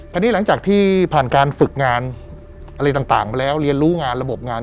หลังจากที่ผ่านการฝึกงานอะไรต่างมาแล้วเรียนรู้งานระบบงาน